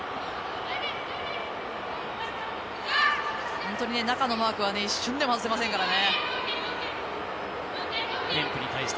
本当に中のマークは一瞬でも外せませんからね。